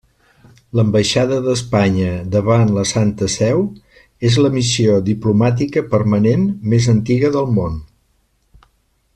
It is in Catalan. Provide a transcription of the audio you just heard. L'Ambaixada d'Espanya davant la Santa Seu és la missió diplomàtica permanent més antiga del món.